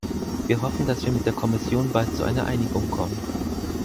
Wir hoffen, dass wir mit der Kommission bald zu einer Einigung kommen.